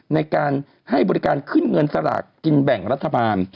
ในการให้บริการขึ้นเงินสลากกินแบ่งรัฐบาล